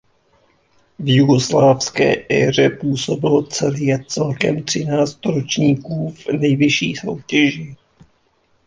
V jugoslávské éře působilo Celje celkem třináct ročníků v nejvyšší soutěži.